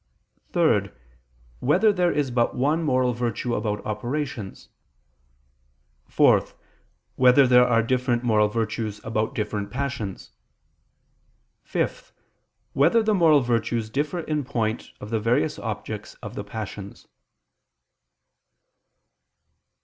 (3) Whether there is but one moral virtue about operations? (4) Whether there are different moral virtues about different passions? (5) Whether the moral virtues differ in point of the various objects of the passions?